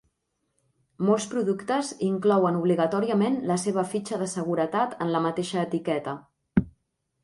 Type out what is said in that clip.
Molts productes inclouen obligatòriament la seva fitxa de seguretat en la mateixa etiqueta.